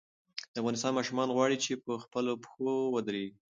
د افغانستان ماشومان غواړي چې په خپلو پښو ودرېږي.